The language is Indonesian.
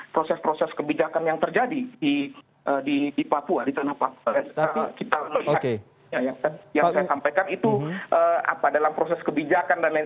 proses proses kebijakan yang terjadi di papua